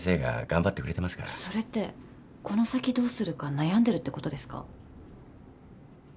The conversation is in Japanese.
それってこの先どうするか悩んでるってことですか？